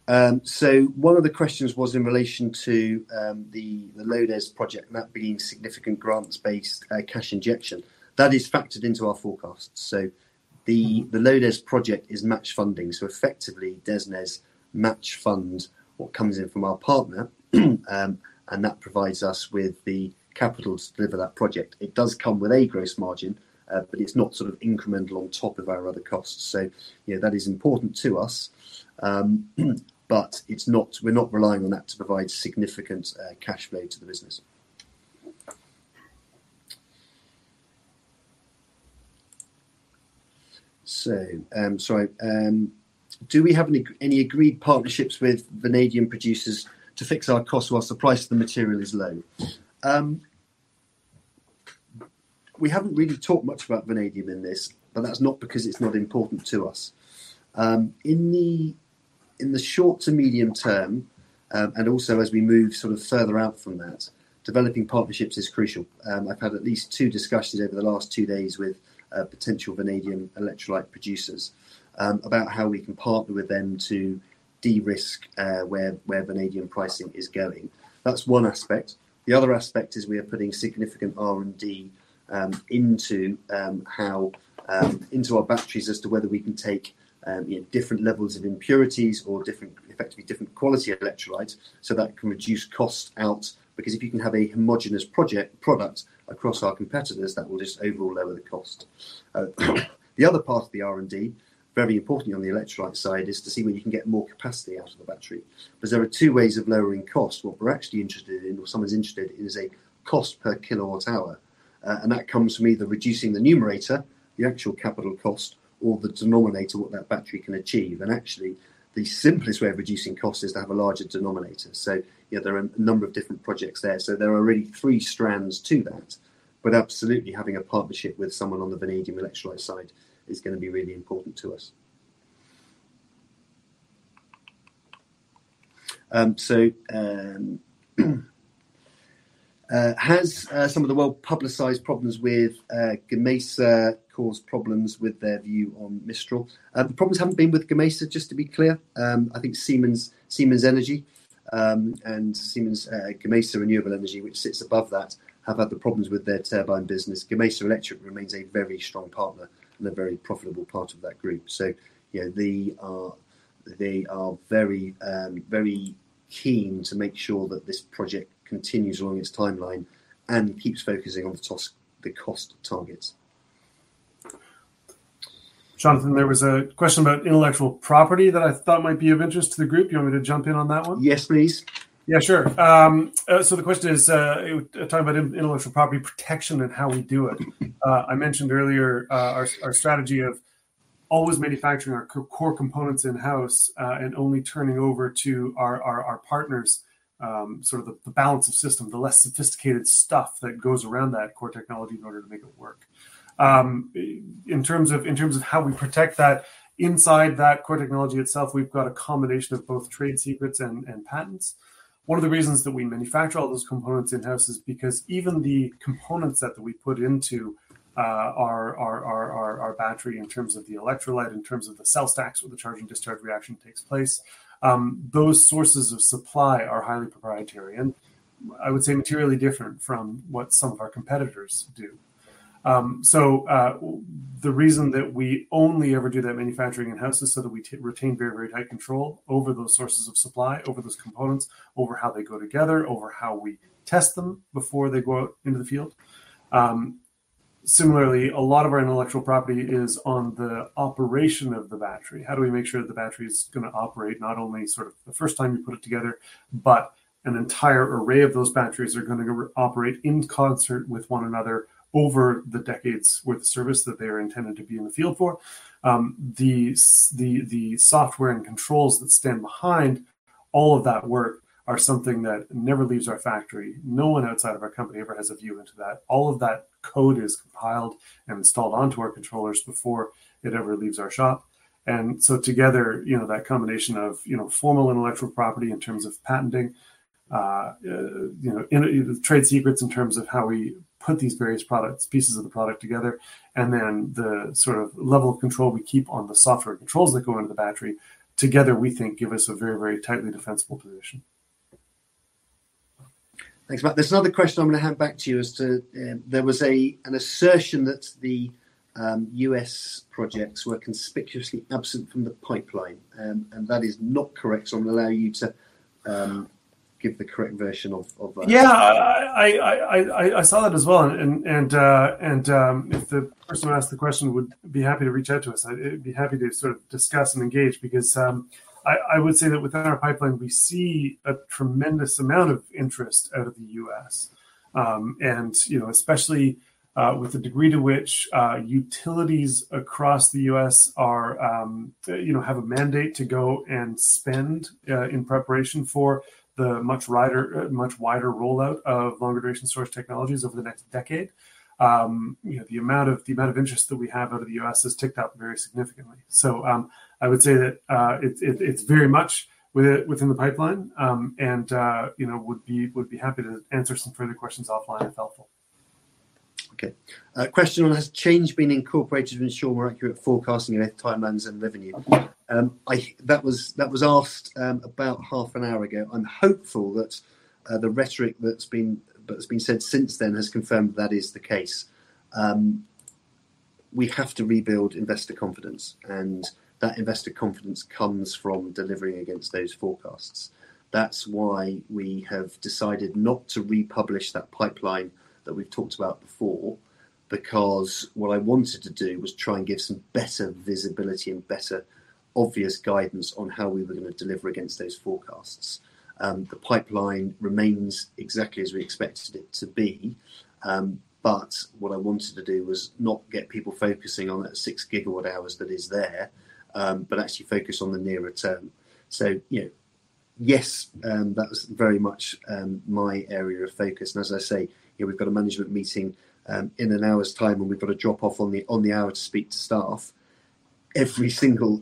One of the questions was in relation to the LODES project, and that being significant grants-based cash injection. That is factored into our forecast. The LODES project is match funding. Effectively, DESNZ match fund what comes in from our partner, and that provides us with the capital to deliver that project. It does come with a gross margin, but it's not sort of incremental on top of our other costs. That is important to us, but we're not relying on that to provide significant cash flow to the business. Sorry. Do we have any agreed partnerships with vanadium producers to fix our costs whilst the price of the material is low? We haven't really talked much about vanadium in this, but that's not because it's not important to us. In the short to medium term, and also as we move sort of further out from that, developing partnerships is crucial. I've had at least two discussions over the last two days with potential vanadium electrolyte producers about how we can partner with them to de-risk where vanadium pricing is going. That's one aspect. The other aspect is we are putting significant R&D into our batteries as to whether we can take different levels of impurities or effectively different quality of electrolytes so that can reduce cost out, because if you can have a homogenous product across our competitors, that will just overall lower the cost. The other part of the R&D, very importantly on the electrolyte side, is to see whether you can get more capacity out of the battery. There are two ways of lowering cost. What we're actually interested in, or someone's interested in, is a cost per kilowatt hour. That comes from either reducing the numerator, the actual capital cost, or the denominator, what that battery can achieve. Actually, the simplest way of reducing cost is to have a larger denominator. There are a number of different projects there. There are really three strands to that. Absolutely having a partnership with someone on the vanadium electrolyte side is going to be really important to us. Has some of the well-publicized problems with Gamesa caused problems with their view on Mistral? The problems haven't been with Gamesa, just to be clear. I think Siemens Energy, and Siemens Gamesa Renewable Energy, which sits above that, have had the problems with their turbine business. Gamesa Electric remains a very strong partner and a very profitable part of that group. They are very keen to make sure that this project continues along its timeline and keeps focusing on the cost targets. Jonathan, there was a question about intellectual property that I thought might be of interest to the group. Do you want me to jump in on that one? Yes, please. Yeah, sure. The question is talking about intellectual property protection and how we do it. I mentioned earlier our strategy of always manufacturing our core components in-house, and only turning over to our partners the balance of system, the less sophisticated stuff that goes around that core technology in order to make it work. In terms of how we protect that, inside that core technology itself, we've got a combination of both trade secrets and patents. One of the reasons that we manufacture all those components in-house is because even the components that we put into our battery in terms of the electrolyte, in terms of the cell stacks, where the charge and discharge reaction takes place, those sources of supply are highly proprietary and I would say materially different from what some of our competitors do. The reason that we only ever do that manufacturing in-house is so that we retain very tight control over those sources of supply, over those components, over how they go together, over how we test them before they go out into the field. Similarly, a lot of our intellectual property is on the operation of the battery. How do we make sure that the battery's going to operate not only the first time you put it together, but an entire array of those batteries are going to operate in concert with one another over the decades worth of service that they are intended to be in the field for. The software and controls that stand behind all of that work are something that never leaves our factory. No one outside of our company ever has a view into that. All of that code is compiled and installed onto our controllers before it ever leaves our shop. Together, that combination of formal intellectual property in terms of patenting, trade secrets in terms of how we put these various pieces of the product together, and then the level of control we keep on the software controls that go into the battery together we think give us a very tightly defensible position. Thanks, Matt. There's another question I'm going to hand back to you as to there was an assertion that the U.S. projects were conspicuously absent from the pipeline, and that is not correct. I'm going to allow you to give the correct version of that. Yeah. I saw that as well, and if the person who asked the question would be happy to reach out to us, I'd be happy to discuss and engage because I would say that within our pipeline, we see a tremendous amount of interest out of the U.S. and especially with the degree to which utilities across the U.S. have a mandate to go and spend in preparation for the much wider rollout of longer duration storage technologies over the next decade. The amount of interest that we have out of the U.S. has ticked up very significantly. I would say that it's very much within the pipeline, and would be happy to answer some further questions offline if helpful. Okay. Question on has change been incorporated to ensure more accurate forecasting in both timelines and revenue? That was asked about half an hour ago. I'm hopeful that the rhetoric that's been said since then has confirmed that is the case. We have to rebuild investor confidence, and that investor confidence comes from delivering against those forecasts. That's why we have decided not to republish that pipeline that we've talked about before, because what I wanted to do was try and give some better visibility and better obvious guidance on how we were going to deliver against those forecasts. The pipeline remains exactly as we expected it to be. What I wanted to do was not get people focusing on that six gigawatt hours that is there, but actually focus on the nearer term. Yes. That was very much my area of focus. As I say, we've got a management meeting in an hour's time, and we've got to drop off on the hour to speak to staff. Every single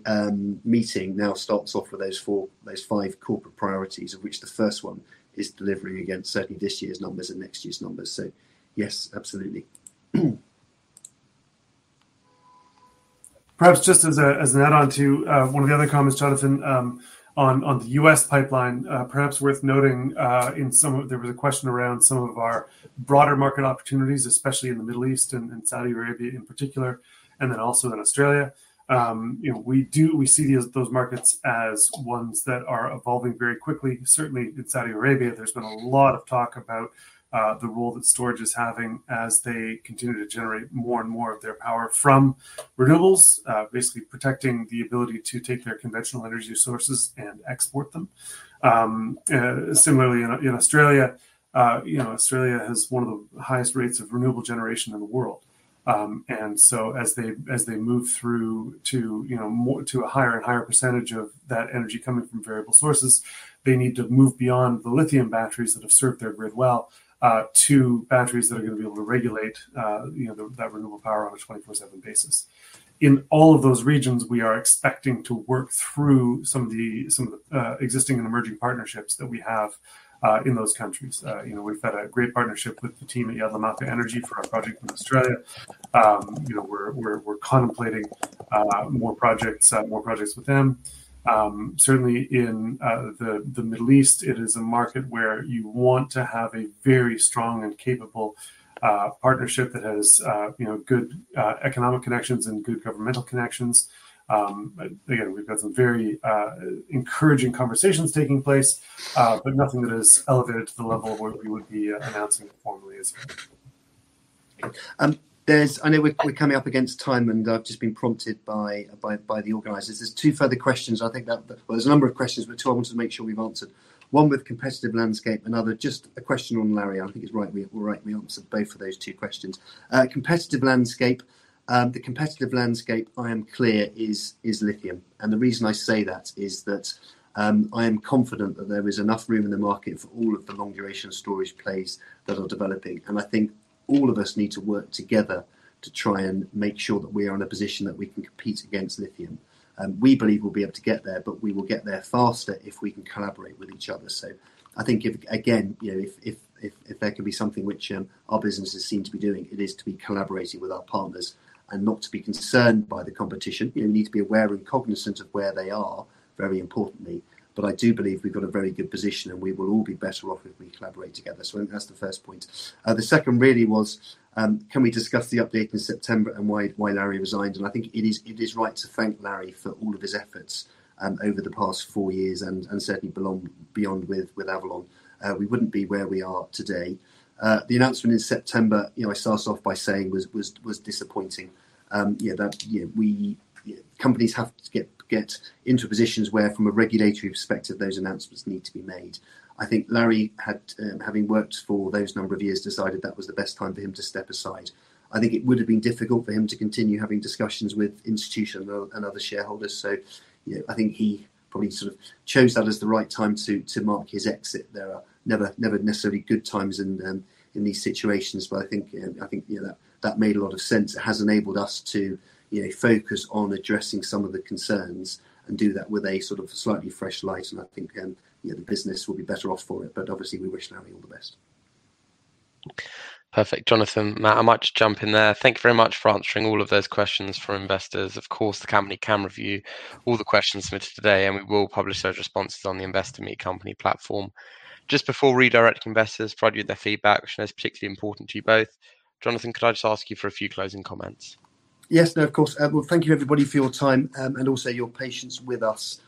meeting now starts off with those five corporate priorities, of which the first one is delivering against certainly this year's numbers and next year's numbers. Yes, absolutely. Perhaps just as an add-on to one of the other comments, Jonathan, on the U.S. pipeline, perhaps worth noting there was a question around some of our broader market opportunities, especially in the Middle East and Saudi Arabia in particular, and then also Australia. We see those markets as ones that are evolving very quickly. Certainly in Saudi Arabia, there's been a lot of talk about the role that storage is having as they continue to generate more and more of their power from renewables, basically protecting the ability to take their conventional energy sources and export them. Similarly in Australia has one of the highest rates of renewable generation in the world. As they move through to a higher and higher percentage of that energy coming from variable sources, they need to move beyond the lithium batteries that have served their grid well, to batteries that are going to be able to regulate that renewable power on a 24/7 basis. In all of those regions, we are expecting to work through some of the existing and emerging partnerships that we have in those countries. We've had a great partnership with the team at Yallourn Energy for our project in Australia. We're contemplating more projects with them. Certainly in the Middle East, it is a market where you want to have a very strong and capable partnership that has good economic connections and good governmental connections. Again, we've got some very encouraging conversations taking place, but nothing that is elevated to the level of what we would be announcing formally as yet. I know we're coming up against time, I've just been prompted by the organizers. There's two further questions. I think there's a number of questions, but two I wanted to make sure we've answered. One with competitive landscape, another just a question on Larry. I think it's right we answer both of those two questions. Competitive landscape. The competitive landscape, I am clear, is lithium. The reason I say that is that I am confident that there is enough room in the market for all of the long-duration storage plays that are developing. I think all of us need to work together to try and make sure that we are in a position that we can compete against lithium. We believe we'll be able to get there, but we will get there faster if we can collaborate with each other. I think if, again, if there can be something which our businesses seem to be doing, it is to be collaborating with our partners and not to be concerned by the competition. You need to be aware and cognizant of where they are, very importantly. I do believe we've got a very good position, and we will all be better off if we collaborate together. I think that's the first point. The second really was, can we discuss the update in September and why Larry resigned? I think it is right to thank Larry for all of his efforts over the past four years and certainly beyond with Avalon. We wouldn't be where we are today. The announcement in September, I start off by saying was disappointing. Companies have to get into positions where, from a regulatory perspective, those announcements need to be made. I think Larry, having worked for those number of years, decided that was the best time for him to step aside. I think it would have been difficult for him to continue having discussions with institutional and other shareholders. I think he probably sort of chose that as the right time to mark his exit. There are never necessarily good times in these situations. I think that made a lot of sense. It has enabled us to focus on addressing some of the concerns and do that with a sort of slightly fresh light. I think the business will be better off for it. Obviously, we wish Larry all the best. Perfect. Jonathan, Matt, I might just jump in there. Thank you very much for answering all of those questions for investors. Of course, the company can review all the questions submitted today, and we will publish those responses on the Investor Meet Company platform. Just before redirecting investors to provide you with their feedback, which I know is particularly important to you both, Jonathan, could I just ask you for a few closing comments? Yes, no, of course. Well, thank you, everybody, for your time and also your patience with us.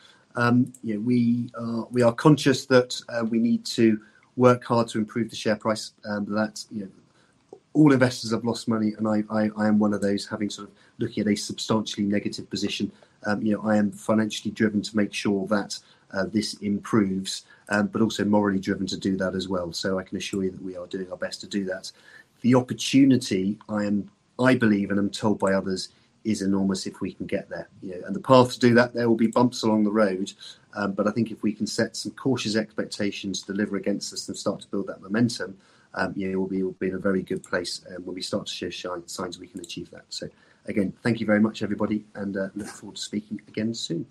We are conscious that we need to work hard to improve the share price, that all investors have lost money. I am one of those having sort of looking at a substantially negative position. I am financially driven to make sure that this improves, also morally driven to do that as well. I can assure you that we are doing our best to do that. The opportunity, I believe and I'm told by others, is enormous if we can get there. The path to do that, there will be bumps along the road. I think if we can set some cautious expectations to deliver against this and start to build that momentum, we'll be in a very good place when we start to show signs we can achieve that. Again, thank you very much, everybody, and look forward to speaking again soon.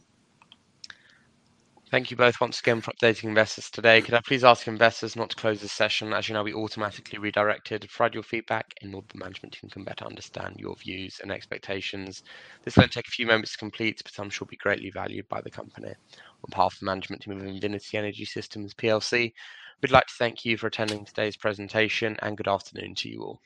Thank you both once again for updating investors today. Could I please ask investors not to close this session? You know, we automatically redirect here to provide your feedback in order for management to come better understand your views and expectations. This will only take a few moments to complete, but I'm sure it'll be greatly valued by the company. On behalf of management team of Invinity Energy Systems PLC, we'd like to thank you for attending today's presentation. Good afternoon to you all.